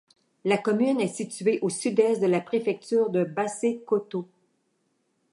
La commune est située au sud-est de la préfecture de Basse-Kotto.